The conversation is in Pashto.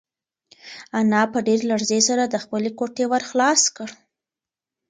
انا په ډېرې لړزې سره د خپلې کوټې ور خلاص کړ.